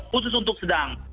khusus untuk sedang